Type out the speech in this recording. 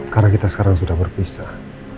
karena kita sekarang sudah berpisah